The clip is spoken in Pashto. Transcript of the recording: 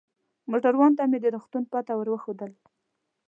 موټروان ته مې د روغتون پته ور وښودل.